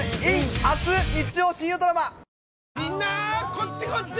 こっちこっち！